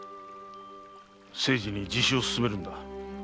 清次に自首を勧めるんだ。